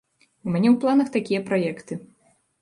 У мяне ў планах такія праекты.